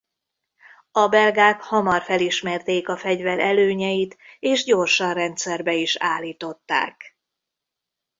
A belgák hamar felismerték a fegyver előnyeit és gyorsan rendszerbe is állították.